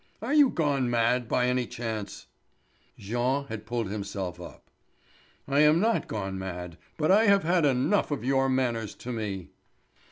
Are you gone mad by any chance?" Jean had pulled himself up. "I am not gone mad, but I have had enough of your manners to me."